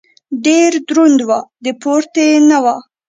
ډېر دروند و . د پورتې نه و.